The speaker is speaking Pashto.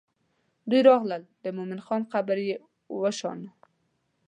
دوی راغلل د مومن خان قبر یې وشان.